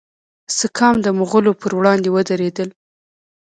سکام د مغولو پر وړاندې ودریدل.